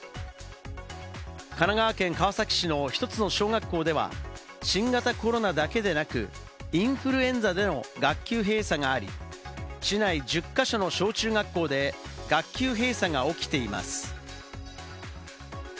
神奈川県川崎市の１つの小学校では、新型コロナだけでなく、インフルエンザでの学級閉鎖があり、市内１０か所の小・中学校で学級閉鎖が起きています。